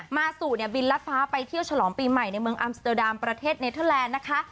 มาซูเนี่ยบินรัดฟ้าไปเที่ยวฉลองปีใหม่ในเมืองอัมสเตอร์ดามประเทศเนเทอร์แลนด์นะคะ